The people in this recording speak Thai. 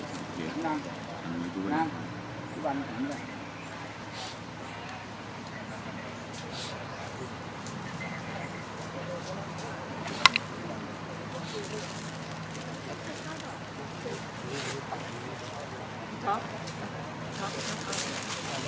ขอบคุณครับ